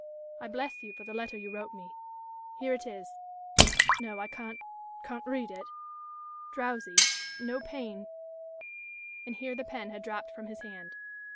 I bless you for the letter you wrote me. Here it is.... No, I can't can't read it. Drowsy. No pain " And here the pen had dropped from his hand.